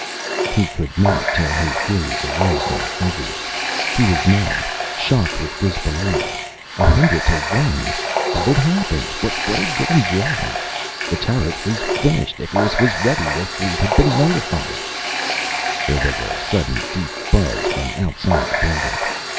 He could not tear his gaze away from the figures. He was numb, shocked with disbelief. 100 1. What had happened? What had gone wrong? The turret was finished, Icarus was ready, the fleet had been notified There was a sudden deep buzz from outside the building.